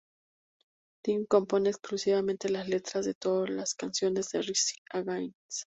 Tim compone exclusivamente las letras de todas las canciones de Rise Against.